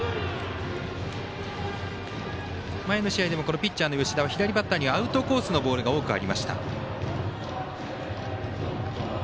前の試合でもピッチャーの吉田は左バッターにはアウトコースのボールが多くありました。